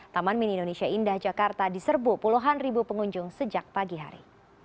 taman mini indonesia indah jakarta diserbu puluhan ribu pengunjung sejak pagi hari